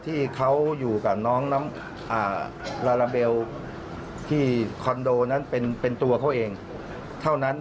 ที่เขาอยู่กับน้องลาลาเบลที่คอนโดนั้นเป็นตัวเขาเองเท่านั้น